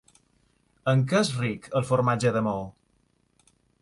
En què és ric el formatge de Maó?